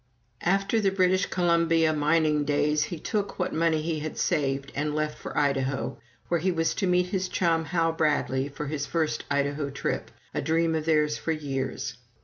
After the British Columbia mining days, he took what money he had saved, and left for Idaho, where he was to meet his chum, Hal Bradley, for his first Idaho trip a dream of theirs for years.